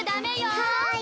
はい！